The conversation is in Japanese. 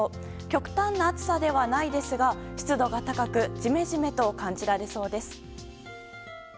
極端な暑さではないですが湿度が高くジメジメと感じられそうです。